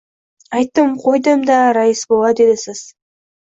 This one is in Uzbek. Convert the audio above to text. — Aytdim-qo‘ydim-da, rais bova, — dedi. — Siz